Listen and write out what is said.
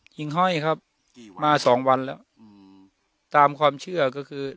หญิงห้อยครับมาสองวันเรียหือตามความเชื่อก็คือ